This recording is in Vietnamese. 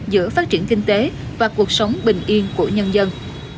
giữa phát triển kinh tế và cuộc sống bình yên của nhân dân